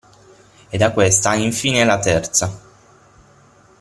E da questa infine alla terza.